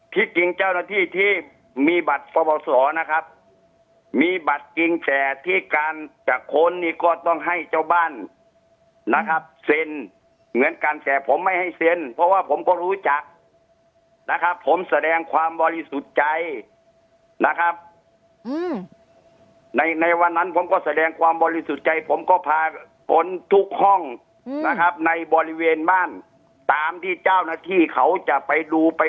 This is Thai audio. ที่จริงเจ้าหน้าที่ที่มีบัตรปบสอนะครับมีบัตรจริงแต่ที่การจะค้นนี่ก็ต้องให้เจ้าบ้านนะครับเซ็นเหมือนกันแต่ผมไม่ให้เซ็นเพราะว่าผมก็รู้จักนะครับผมแสดงความบริสุทธิ์ใจนะครับในในวันนั้นผมก็แสดงความบริสุทธิ์ใจผมก็พาค้นทุกห้องนะครับในบริเวณบ้านตามที่เจ้าหน้าที่เขาจะไปดูไป